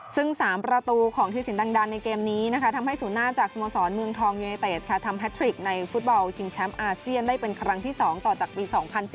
ซึ่ง๓ประตูของธีสินดังดันในเกมนี้ทำให้ศูนย์หน้าจากสโมสรเมืองทองยูเนเต็ดค่ะทำแททริกในฟุตบอลชิงแชมป์อาเซียนได้เป็นครั้งที่๒ต่อจากปี๒๐๑๙